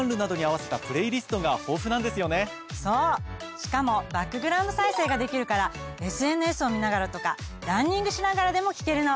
しかもバックグラウンド再生ができるからＳＮＳを見ながらとかランニングしながらでも聞けるの。